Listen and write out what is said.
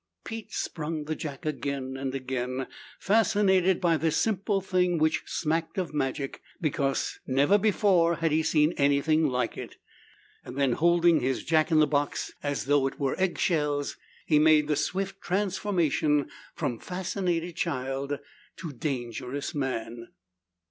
Pete sprung the jack again and again, fascinated by this simple thing which smacked of magic, because never before had he seen anything like it. Then, holding his jack in the box as though it were eggshells, he made the swift transformation from fascinated child to dangerous man.